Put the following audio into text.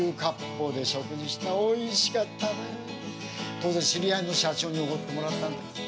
当然知り合いの社長におごってもらったんだ。